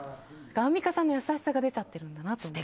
アンミカさんの優しさが出ちゃってるんだなと思って。